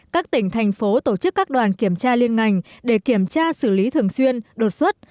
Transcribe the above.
các tỉnh thành phố tổ chức các đoàn kiểm tra liên ngành để kiểm tra xử lý thường xuyên đột xuất